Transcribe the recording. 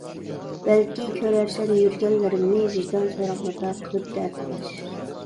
بەلكى كۆرەرسەن يۈرگەنلىرىمنى، ۋىجدان سوراقلىرىدا قىلىپ دەتالاش.